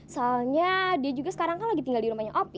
soalnya dia juga sekarang kan lagi tinggal di rumahnya opi